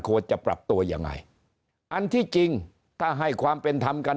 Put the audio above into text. ควรจะปรับตัวยังไงอันที่จริงถ้าให้ความเป็นธรรมกัน